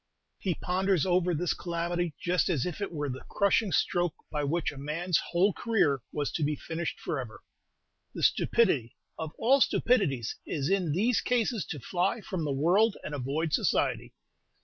He ponders over this calamity just as if it were the crushing stroke by which a man's whole career was to be finished forever. The stupidity of all stupidities is in these cases to fly from the world and avoid society.